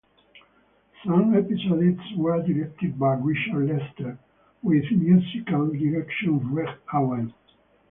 Some episodes were directed by Richard Lester with musical direction of Reg Owen.